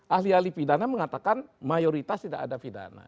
ahli ahli pidana mengatakan mayoritas tidak ada pidana